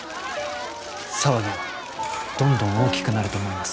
騒ぎはどんどん大きくなると思います